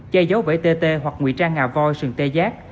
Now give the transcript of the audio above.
chai dấu vẫy tt hoặc nguy trang ngà voi sườn tê giác